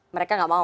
mereka tidak mau